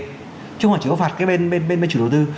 chứ không phải chỉ có phạt cái bên bên chủ đầu tư